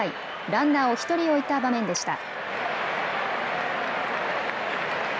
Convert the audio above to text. ランナーを１人置いた場面でした。